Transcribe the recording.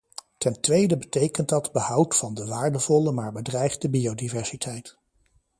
Ten tweede betekent dat behoud van de waardevolle maar bedreigde biodiversiteit.